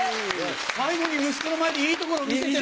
最後に息子の前でいいところを見せてない？